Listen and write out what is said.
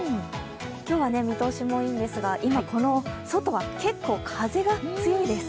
今日は見通しもいいんですが、今この外は結構、風が強いです。